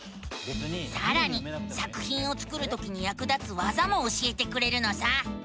さらに作ひんを作るときにやく立つわざも教えてくれるのさ！